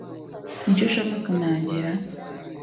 Niki ushaka kunangira